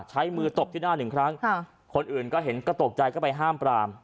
ใช้มือตบที่หน้าหนึ่งครั้งคนอื่นก็เห็นก็ตกใจก็ไปห้ามปราม